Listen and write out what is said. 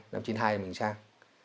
năm chín mươi hai mình sang